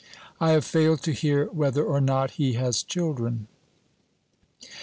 I have failed to hear whether or not he has children.